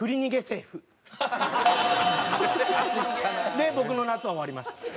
で僕の夏は終わりました。